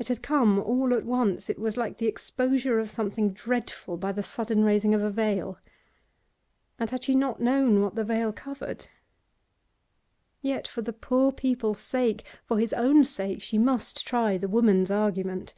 It had come all at once; it was like the exposure of something dreadful by the sudden raising of a veil. And had she not known what the veil covered? Yet for the poor people's sake, for his own sake, she must try the woman's argument.